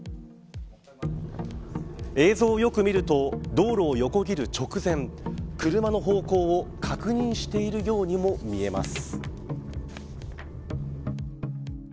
映像をよく見ると道路を横切る直前車の方向を確認しているようにも見えます。